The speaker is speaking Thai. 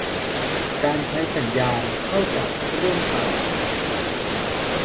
การใช้สัญชาตญาณเข้าจับเรื่องต่าง